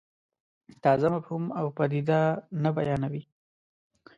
تازه مفهوم او پدیده نه بیانوي.